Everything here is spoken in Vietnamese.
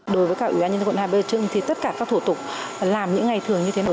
đối với cả ủy ban nhân dân quận hai bà trưng thì tất cả các thủ tục làm những ngày thường như thế nào